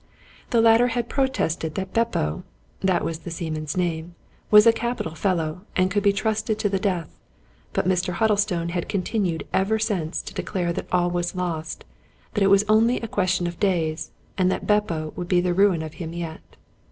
The latter had protested that Beppo (that was the seaman's name) was a capital fellow, aiid could be trusted to the death ; but Mr. Huddlestone had continued ever since to declare that all was lost, that it was only a question of days, and that Beppo would be the ruin of him yet.